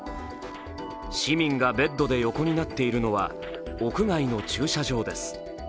市民がベッドで横になっているのは屋外の駐車場です。